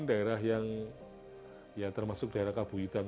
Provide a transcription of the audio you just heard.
daerah yang ya termasuk daerah kabuhitan